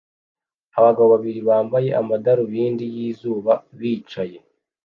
Abagabo babiri bambaye amadarubindi y'izuba bicaye